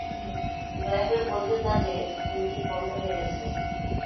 দয়া করে বলবেন না যে, ইঞ্জিন বন্ধ হয়ে গেছে।